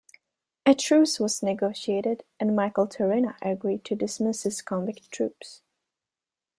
A truce was negotiated and Micheltorena agreed to dismiss his convict troops.